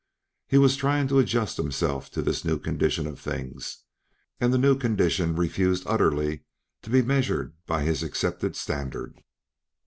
He was trying to adjust himself to this new condition of things, and the new condition refused utterly to be measured by his accepted standard.